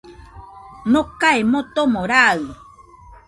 Nokae motomo raɨ,